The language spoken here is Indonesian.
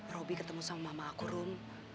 robby ketemu sama mama aku rum